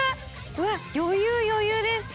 うわっ余裕余裕です。